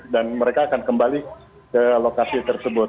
dan mereka akan kembali ke lokasi tersebut